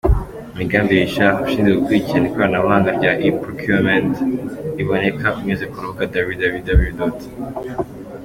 Migambi Richard ushinzwe gukurikirana ikoranabuhanga rya e-procurement riboneka unyuze ku rubuga www.